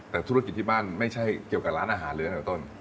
แต่ธุรกิจที่บ้านไม่ใช่เกี่ยวกับร้านอาหารเลยตั้งแต่ต้น